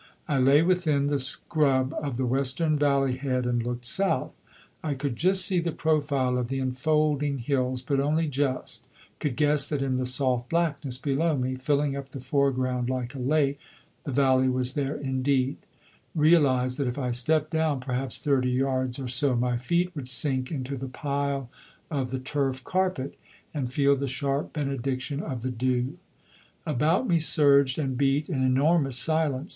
I lay within the scrub of the western valley head and looked south. I could just see the profile of the enfolding hills, but only just; could guess that in the soft blackness below me, filling up the foreground like a lake, the valley was there indeed; realise that if I stepped down, perhaps thirty yards or so, my feet would sink into the pile of the turf carpet, and feel the sharp benediction of the dew. About me surged and beat an enormous silence.